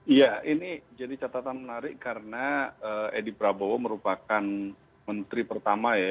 iya ini jadi catatan menarik karena edi prabowo merupakan menteri pertama ya